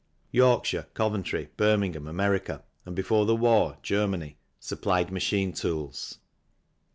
Yorkshire, Coventry, Birmingham, America, and before the war, Germany, supplied machine tools.